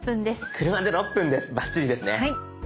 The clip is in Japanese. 車で６分ですバッチリですね。